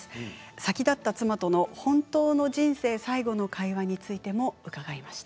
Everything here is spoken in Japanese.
先立った妻との本当の「人生最後の会話」について伺いました。